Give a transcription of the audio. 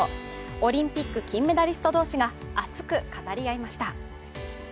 オリンピック金メダリスト同士が熱く語り合いました。